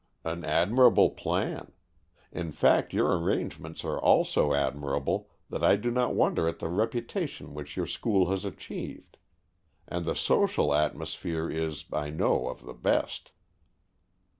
"An admirable plan. In fact, your arrangements are all so admirable that I do not wonder at the reputation which your school has achieved. And the social atmosphere is, I know, of the best."